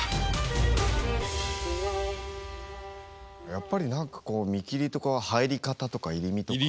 やっぱり何かこう見切りとか入り方とか入身とか。